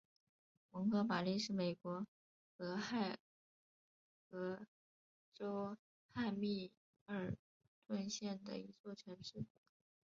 蒙哥马利是美国俄亥俄州汉密尔顿县的一座城市。